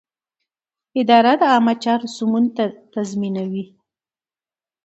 اداره د عامه چارو سمون تضمینوي.